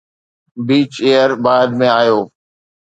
beach ايئر بعد ۾ آيو